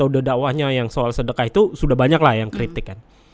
udah dakwahnya yang soal sedekah itu sudah banyak lah yang kritik kan